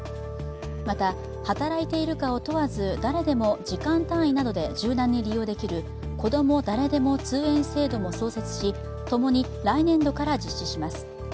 また働いているかを問わず誰でも時間単位などで柔軟に利用できるこども誰でも通園制度も創設し、ともに来年度から実施します。